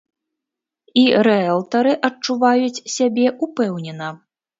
І рыэлтары адчуваюць сябе ўпэўнена.